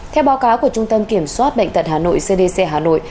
theo báo cáo của trung tâm kiểm soát bệnh tật hà nội cdc hà nội